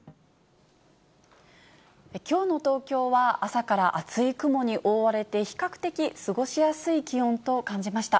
きょうの東京は、朝から厚い雲に覆われて、比較的過ごしやすい気温と感じました。